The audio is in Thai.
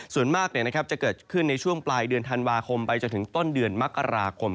ส่วนมากจะเกิดขึ้นในช่วงปลายเดือนธันวาคมไปจนถึงต้นเดือนมกราคม